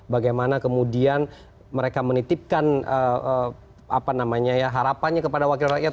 bagaimana kemudian mereka menitipkan harapannya kepada wakil rakyat